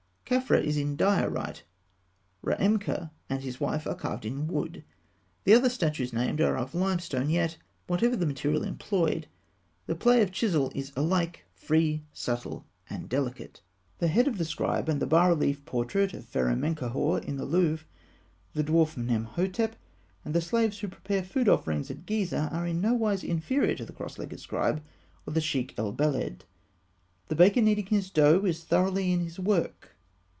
Khafra is in diorite; Raemka and his wife are carved in wood; the other statues named are of limestone; yet, whatever the material employed, the play of the chisel is alike free, subtle, and delicate. The head of the scribe and the bas relief portrait of Pharaoh Menkaûhor, in the Louvre, the dwarf Nemhotep (fig. 195), and the slaves who prepare food offerings at Gizeh, are in no wise inferior to the "Cross legged Scribe" or the "Sheikh el Beled." The baker kneading his dough (fig. 194) is thoroughly in his work.